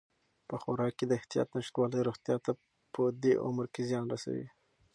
په خوراک کې د احتیاط نشتوالی روغتیا ته په دې عمر کې زیان رسوي.